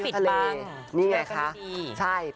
ก็ไม่ได้ปิดปัง